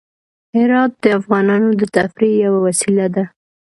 هرات د افغانانو د تفریح یوه وسیله ده.